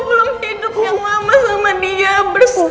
harus mereka semua kasih